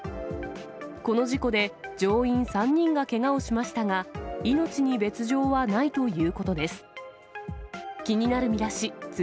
この事故で、乗員３人がけがをしましたが、命に別状はないということです。